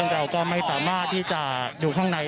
เราก็ไม่สามารถดูข้างใน